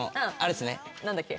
何だっけ？